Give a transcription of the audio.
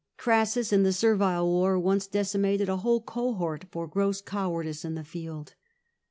Crassus, in the Servile War, once decimated a whole cohort for gross cowardice in the field.